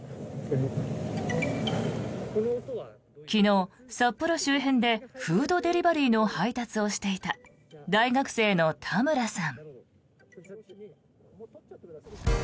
昨日、札幌周辺でフードデリバリーの配達をしていた大学生の田村さん。